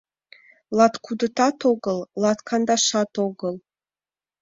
Латкудытат огыл, латкандашат огыл...